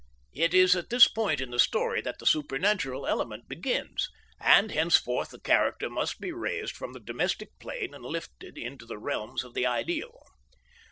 It is at this point in the story that the supernatural element begins, and henceforth the character must be raised from the domestic plane and lifted into the realms of the ideal.